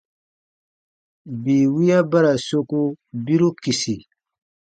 Bii wiya ba ra soku biru kisi.